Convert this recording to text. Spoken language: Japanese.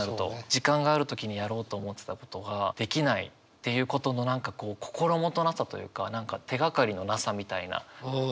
時間がある時にやろうと思ってたことができないっていうことの何かこう心もとなさというか手がかりのなさみたいな。